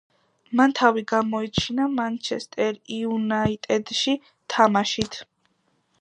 მან თავი გამოიჩინა „მანჩესტერ იუნაიტედში“ თამაშით.